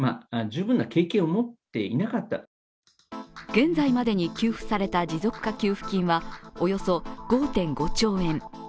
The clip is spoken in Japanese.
現在までに給付された持続化給付金は、およそ５５兆円。